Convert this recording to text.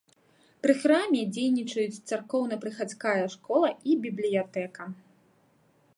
Пры храме дзейнічаюць царкоўна-прыхадская школа і бібліятэка.